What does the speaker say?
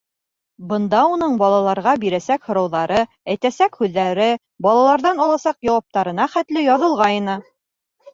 Бында уның балаларға бирәсәк һорауҙары, әйтәсәк һүҙҙәре, балаларҙан аласаҡ яуаптарына хәтле яҙылғайны.